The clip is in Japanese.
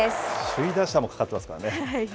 首位打者もかかってますからね。